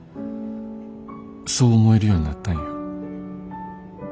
そう思えるようになったんや。